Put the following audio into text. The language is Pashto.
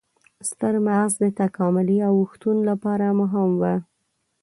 ستر مغز د تکاملي اوښتون لپاره مهم و.